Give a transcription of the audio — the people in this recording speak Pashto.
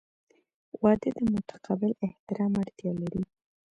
• واده د متقابل احترام اړتیا لري.